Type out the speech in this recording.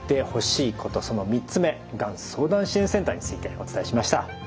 その３つ目がん相談支援センターについてお伝えしました。